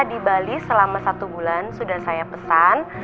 di bali selama satu bulan sudah saya pesan